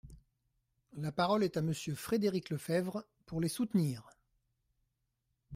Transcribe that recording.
La parole est à Monsieur Frédéric Lefebvre, pour les soutenir.